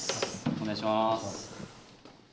お願いします。